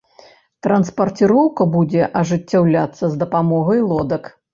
Транспарціроўка будзе ажыццяўляцца з дапамогай лодак.